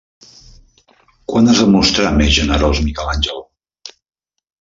Quan es va mostrar més generós Miquel Àngel?